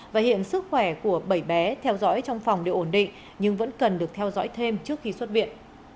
và hiện sức khỏe của bảy bé theo dõi trong phòng đều ổn định nhưng vẫn cần được theo dõi thêm trước khi xuất viện